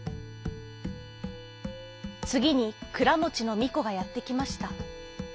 つぎにくらもちのみこがやってきました。